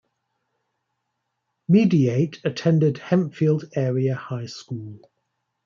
Mediate attended Hempfield Area High School.